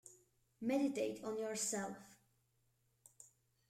Meditate on your Self.